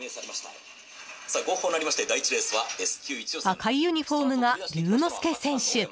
赤いユニフォームが龍之介選手。